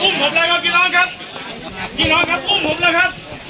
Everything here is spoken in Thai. ดูสิครับอุ้มผมแล้วครับพี่น้องครับพี่น้องครับอุ้มผมแล้วครับ